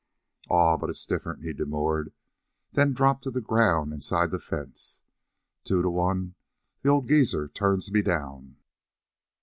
"Aw, but it's different," he demurred, then dropped to the ground inside the fence. "Two to one the old geezer turns me down."